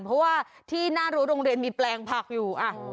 เพราะว่าที่หน้ารั้วโรงเรียนมีแปลงผักอยู่